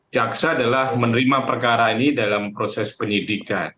jaksa adalah menerima perkara ini dalam proses penyidikan